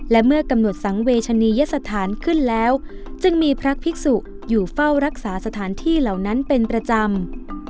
และเมื่อกำหนดสังเวชนียสถานขึ้นแล้วจึงมีพระภิกษุอยู่เฝ้ารักษาสถานที่เหล่านั้นเป็นประจำ